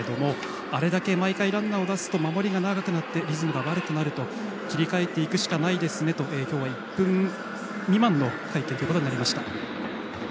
あれだけ毎回、ランナーを出すと守りが長くなってリズムが悪くなると切り替えていくしかないですねと今日は１分未満の会見ということになりました。